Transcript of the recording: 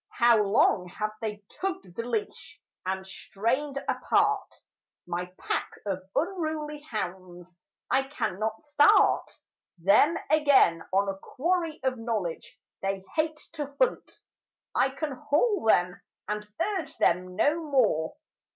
How long have they tugged the leash, and strained apart My pack of unruly hounds: I cannot start Them again on a quarry of knowledge they hate to hunt, I can haul them and urge them no more.